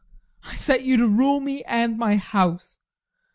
I set you to rule me and my house.